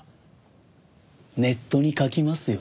ネットに書きますよ？